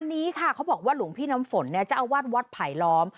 วันนี้ค่ะเขาบอกว่าหลวงพี่น้ำฝนเนี่ยเจ้าอาวาสวัดไผลล้อม